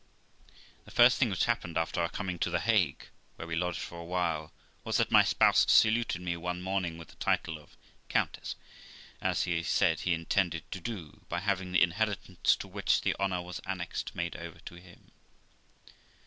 The first thing which happened after our coming to the Hague (where we lodged for a while) was, that my spouse saluted me one morning with the title of countess, as he said he intended to do, by having the inheritance to which the honour was annexed made over to him.